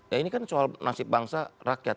ya ini kan soal nasib bangsa rakyat